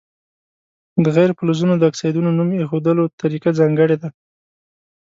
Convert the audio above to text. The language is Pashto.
د غیر فلزونو د اکسایدونو نوم ایښودلو طریقه ځانګړې ده.